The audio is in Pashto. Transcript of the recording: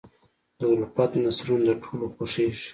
د الفت نثرونه د ټولو خوښېږي.